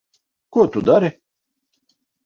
Ko tu dari?